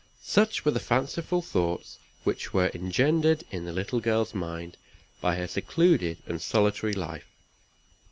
Such were the fanciful thoughts which were engendered in the little girl's mind by her secluded and solitary life.